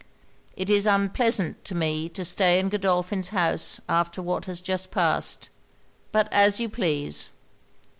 'It is unpleasant to me to stay in Godolphin's house after what has just passed. But as you please.'